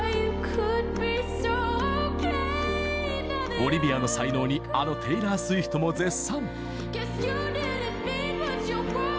オリヴィアの才能にあのテイラー・スウィフトも絶賛。